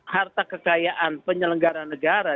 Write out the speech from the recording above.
harta kekayaan penyelenggara negara